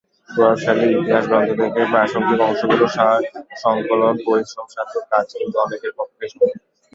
প্রভাবশালী ইতিহাসগ্রন্থ থেকে প্রাসঙ্গিক অংশগুলোর সার-সংকলন পরিশ্রমসাধ্য কাজ, কিন্তু অনেকের পক্ষেই সম্ভব।